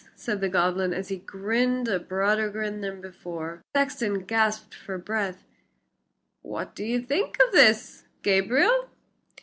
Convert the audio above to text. said the goblin, as he grinned a broader grin than before. The sexton gasped for breath. "What do you think of this, Gabriel?"